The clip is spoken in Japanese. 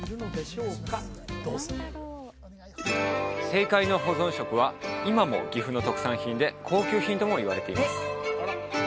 正解の保存食は今も岐阜の特産品で高級品ともいわれています